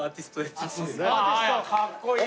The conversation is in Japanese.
かっこいい！